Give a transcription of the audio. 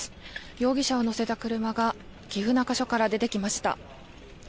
容疑者を乗せた車が岐阜中署から出てきました。